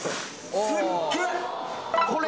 すっげえ！